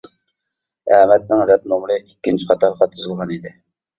ئەمەتنىڭ رەت نومۇرى ئىككىنچى قاتارغا تىزىلغان ئىدى.